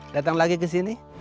datang lagi kesini